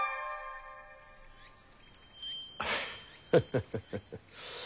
ハハハハハ。